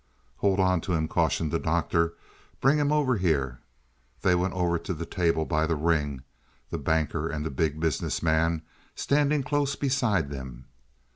"Hold on to him," cautioned the Doctor. "Bring him over here." They went over to the table by the ring, the Banker and the Big Business Man standing close beside them.